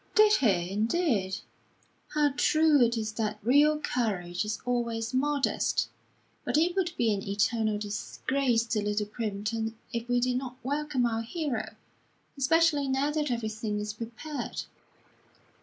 "Did he, indeed? How true it is that real courage is always modest! But it would be an eternal disgrace to Little Primpton if we did not welcome our hero, especially now that everything is prepared.